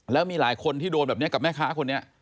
แล้วมีหลายคนที่โดนแบบนี้กับแม่ค้าคนนี้